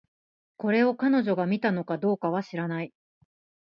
これを、彼女が見たのかどうかは知らない